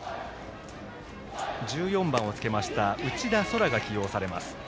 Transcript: １４番をつけました、内田蒼空が起用されます。